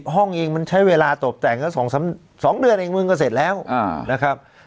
ห้องเองมันใช้เวลาตบแต่งก็๒เดือนเองมึงก็เสร็จแล้วนะครับ